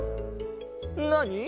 なに？